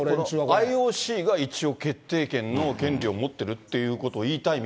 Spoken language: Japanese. ＩＯＣが一応決定権の権利を持ってるということを言いたいみ